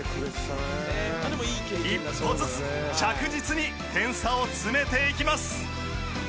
一歩ずつ着実に点差を詰めていきます。